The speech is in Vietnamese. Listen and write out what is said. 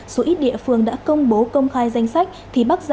số ít địa phương đã công bố công khai danh sách